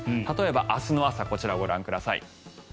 例えば、明日の朝こちらご覧ください。